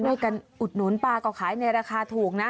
ช่วยกันอุดหนุนป้าก็ขายในราคาถูกนะ